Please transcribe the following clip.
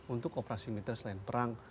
untuk operasi militer selain perang